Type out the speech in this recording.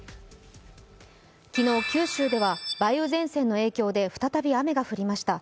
昨日、九州では梅雨前線の影響で再び雨が降りました。